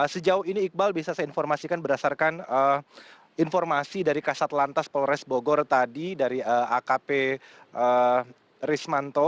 sejauh ini iqbal bisa saya informasikan berdasarkan informasi dari kasat lantas polres bogor tadi dari akp rismanto